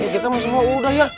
kita mau semua udah ya